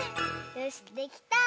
よしできた！